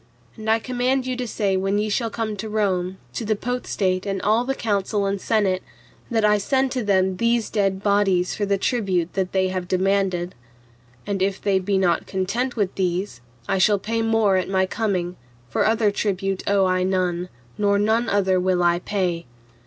And I command you to say when ye shall come to Rome, to the Potestate and all the Council and Senate, that I send to them these dead bodies for the tribute that they have demanded. And if they be not content with these, I shall pay more at my coming, for other tribute owe I none, nor none other will I pay.